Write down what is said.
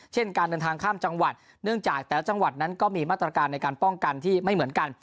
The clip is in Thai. การเดินทางข้ามจังหวัดเนื่องจากแต่ละจังหวัดนั้นก็มีมาตรการในการป้องกันที่ไม่เหมือนกัน